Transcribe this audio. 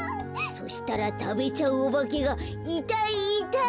そしたらたべちゃうおばけが「いたいいたい！」